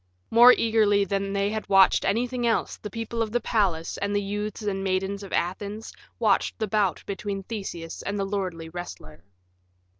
More eagerly than they had watched anything else the people of the palace and the youths and maidens of Athens watched the bout between Theseus and the lordly wrestler.